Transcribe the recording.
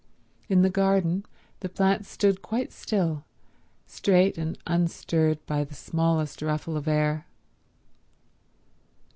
In the garden the plants stood quite still, straight and unstirred by the smallest ruffle of air.